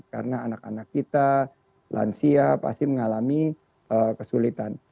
karena anak anak kita lansia pasti mengalami kesulitan